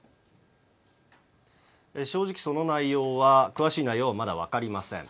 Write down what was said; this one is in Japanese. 正直その内容は詳しい内容はまだ分かりません。